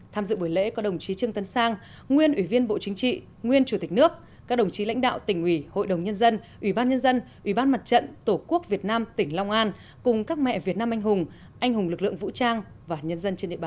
tham dự buổi lễ có đồng chí trương tân sang nguyên ủy viên bộ chính trị nguyên chủ tịch nước các đồng chí lãnh đạo tỉnh ủy hội đồng nhân dân ủy ban nhân dân ủy ban mặt trận tổ quốc việt nam tỉnh long an cùng các mẹ việt nam anh hùng anh hùng lực lượng vũ trang và nhân dân trên địa bàn